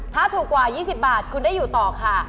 ถ้าถูกกว่า๒๐บาทคุณได้อยู่ต่อค่ะ